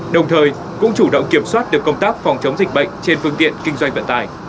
đồng thời cũng chủ động kiểm soát được công tác phòng chống dịch bệnh trên phương tiện kinh doanh vận tải